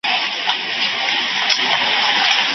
پر لکړه مي وروستی نفس دروړمه